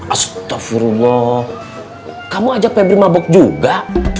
astagfirullah kamu ajak pebri mabok juga